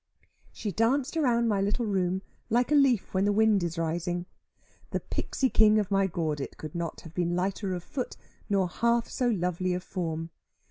She danced round my little room, like a leaf when the wind is rising. The Pixie king of my gordit could not have been lighter of foot, nor half so lovely of form.